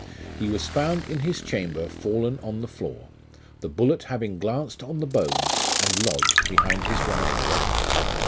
He was found in his chamber fallen on the floor, the bullet having glanced on the bone, and lodged behind his right eye.